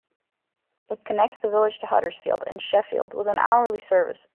It connects the village to Huddersfield and Sheffield with an hourly service.